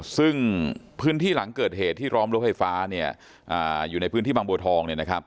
ซึ่งพื้นที่หลังเกิดเหตุที่ร้อมรถไฟฟ้าอยู่ในพื้นที่บางบัวทอง